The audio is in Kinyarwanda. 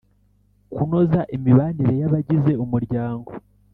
kunoza imibanire y’abagize umuryango.